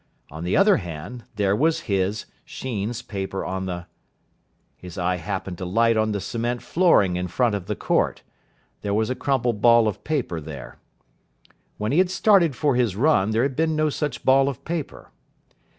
On the other hand, there was his, Sheen's, paper on the.... His eye happened to light on the cement flooring in front of the court. There was a crumpled ball of paper there. When he had started for his run, there had been no such ball of paper.